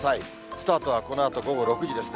スタートはこのあと午後６時ですね。